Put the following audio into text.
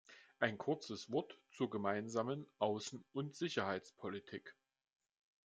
Ein kurzes Wort zur Gemeinsamen Außen- und Sicherheitspolitik.